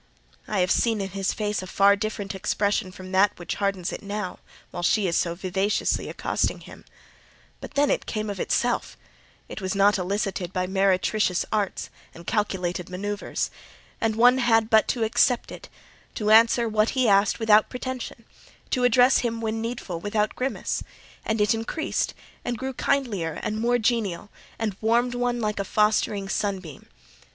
I have seen in his face a far different expression from that which hardens it now while she is so vivaciously accosting him; but then it came of itself: it was not elicited by meretricious arts and calculated manoeuvres; and one had but to accept it—to answer what he asked without pretension, to address him when needful without grimace—and it increased and grew kinder and more genial, and warmed one like a fostering sunbeam.